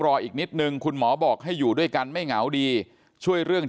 อีกนิดนึงคุณหมอบอกให้อยู่ด้วยกันไม่เหงาดีช่วยเรื่อง